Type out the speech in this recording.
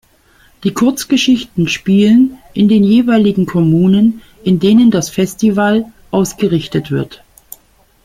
Die Kurzgeschichten spielen in den jeweiligen Kommunen, in denen das Festival ausgerichtet wird.